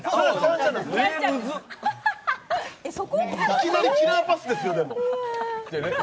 いきなりキラーパスですよ、でも。